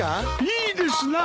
いいですな。